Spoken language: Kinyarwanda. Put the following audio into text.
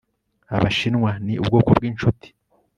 abashinwa ni ubwoko bwinshuti